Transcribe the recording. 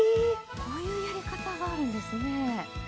こういうやり方があるんですね。